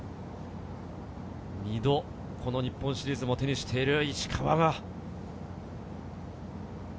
２度、日本シリーズを手にしている石川が。